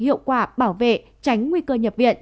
hiệu quả bảo vệ tránh nguy cơ nhập viện